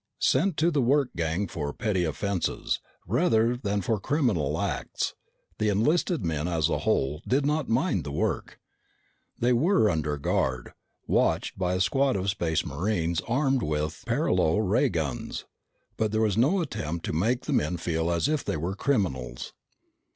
Sent to the work gang for petty offenses, rather than for criminal acts, the enlisted men as a whole did not mind the work. They were under guard, watched by a squad of Space Marines armed with paralo ray guns, but there was no attempt to make the men feel as if they were criminals.